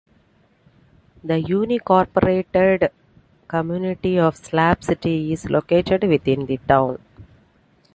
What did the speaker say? The unincorporated community of Slab City is located within the town.